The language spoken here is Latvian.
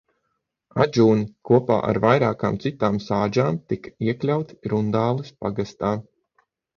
Ādžūni kopā ar vairākām citām sādžām tika iekļauti Rundāles pagastā.